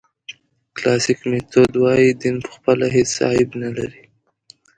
کلاسیک میتود وایي دین پخپله هېڅ عیب نه لري.